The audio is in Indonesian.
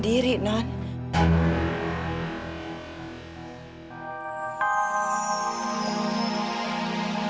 ada pikir siisi perempuan kita